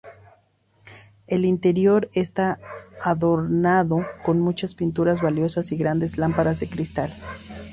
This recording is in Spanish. El interior está adornado con muchas pinturas valiosas y grandes lámparas de cristal.